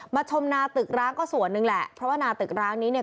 ชมนาตึกร้างก็ส่วนหนึ่งแหละเพราะว่านาตึกร้างนี้เนี่ย